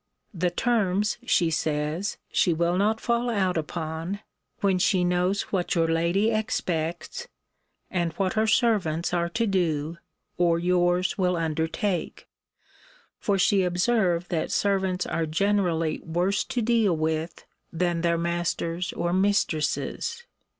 The terms, she says, she will not fall out upon, when she knows what your lady expects, and what her servants are to do, or yours will undertake; for she observed that servants are generally worse to deal with than their masters or mistresses.